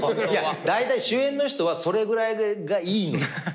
だいたい主演の人はそれぐらいがいいのよ。